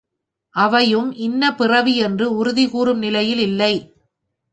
அவையும் இன்ன பிறவி என்று உறுதி கூறும் நிலையில் இல்லை.